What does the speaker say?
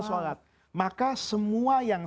sholat maka semua yang